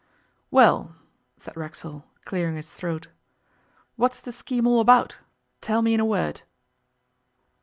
'Well,' said Racksole, clearing his throat, 'what's the scheme all about? Tell me in a word.